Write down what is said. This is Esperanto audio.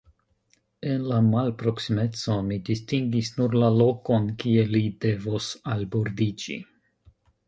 En la malproksimeco mi distingis nur la lokon, kie li devos albordiĝi.